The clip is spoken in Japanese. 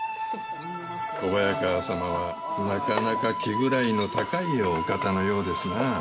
小早川様はなかなか気位の高いお方のようですな。